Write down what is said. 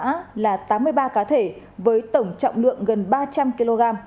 tổng số cá thể động vật hoang dã là tám mươi ba cá thể với tổng trọng lượng gần ba trăm linh kg